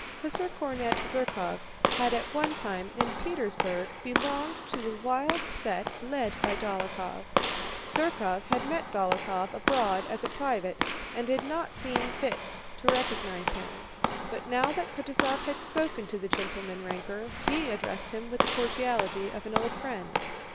Hussar cornet Zherkóv had at one time, in Petersburg, belonged to the wild set led by Dólokhov. Zherkóv had met Dólokhov abroad as a private and had not seen fit to recognize him. But now that Kutúzov had spoken to the gentleman ranker, he addressed him with the cordiality of an old friend.